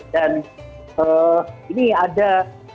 dan ini ada